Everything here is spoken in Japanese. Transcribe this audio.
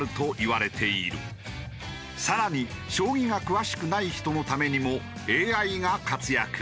更に将棋が詳しくない人のためにもＡＩが活躍。